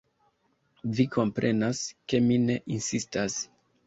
Vi komprenas, ke mi ne insistas.